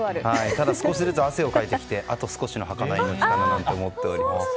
ただ少しずつ汗をかいてきてあと少しのはかない命だと思っています。